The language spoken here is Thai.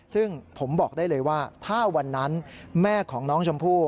ซึ่งผมบอกได้เลยว่าถ้าวันนั้นแม่ของน้องชมพู่